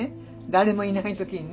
誰もいない時にね。